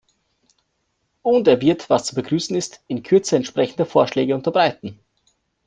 Und er wird, was zu begrüßen ist, in Kürze entsprechende Vorschläge unterbreiten.